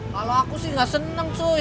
kalo aku sih gak seneng cuy